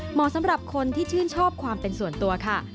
เหมาะสำหรับคนที่ชื่นชอบความเป็นส่วนตัวค่ะ